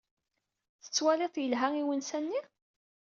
Tettwalid-t yelha i unsa-nni?